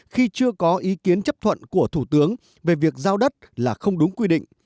khi chưa có ý kiến chấp thuận của thủ tướng về việc giao đất là không đúng quy định